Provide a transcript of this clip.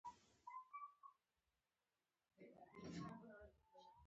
نو ما هغومره قانع کوونکی ځواب نسوای ورکولای لکه چې لازم وو.